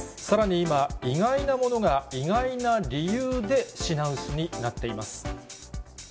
今、意外なものが、意外な理由で品薄になっています。